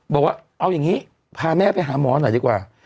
บอกว่าเอาอย่างนี้พาแม่ไปหาหมอหน่อยดีกว่า